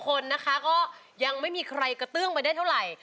คนนะคะก็ยังไม่มีใครกระเตื้องไปได้เท่าไหร่